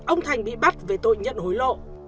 ông thành bị bắt về tội nhận hối lộ